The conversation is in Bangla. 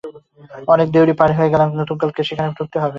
অনেক দেউড়ি পার হয়ে তবে নতুন কালকে সেখানে ঢুকতে হয়।